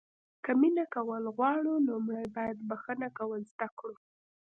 که مینه کول غواړو لومړی باید بښنه کول زده کړو.